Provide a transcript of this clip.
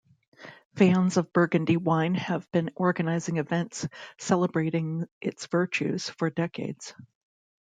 Fans of Burgundy wine have been organizing events celebrating its virtues for decades.